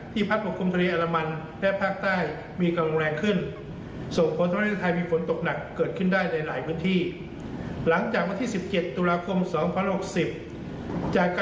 จากการพิเคราะห์แบบจำลองช่ออากาศ